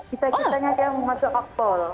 cita citanya dia mau masuk akpol